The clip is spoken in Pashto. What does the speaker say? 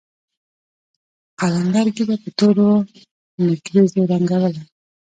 قلندر ږيره په تورو نېکريزو رنګوله.